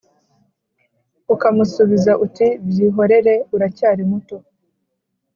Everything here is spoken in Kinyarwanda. Ukamusubiza uti byihorere uracyari muto